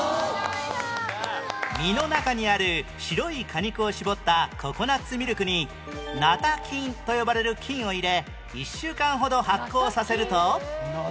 実の中にある白い果肉を搾ったココナッツミルクにナタ菌と呼ばれる菌を入れ１週間ほど発酵させると